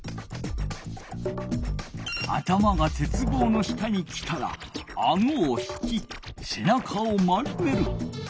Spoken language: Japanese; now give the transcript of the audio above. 頭が鉄棒の下に来たらあごを引きせなかを丸める。